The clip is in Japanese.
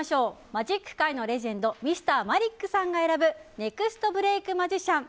マジック界のレジェンドＭｒ．マリックさんが選ぶネクストブレイクマジシャン